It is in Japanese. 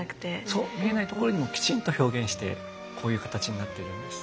そう見えないところにもきちんと表現してこういう形になっているんです。